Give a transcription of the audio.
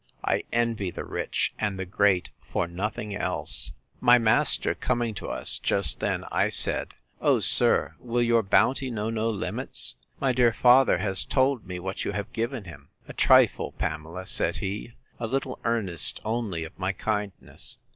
—I envy the rich and the great for nothing else. My master coming to us just then, I said, Oh! sir, will your bounty know no limits? My dear father has told me what you have given him.—A trifle, Pamela, said he, a little earnest only of my kindness.